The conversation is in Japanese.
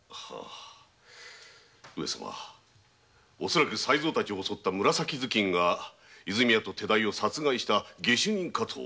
恐らく才三たちを襲った紫頭巾が泉屋と手代を殺した下手人かと。